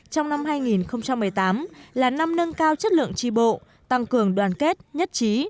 trong năm hai nghìn một mươi tám là năm nâng cao chất lượng tri bộ tăng cường đoàn kết nhất trí